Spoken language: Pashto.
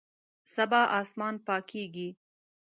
سبا اسمان پاکیږي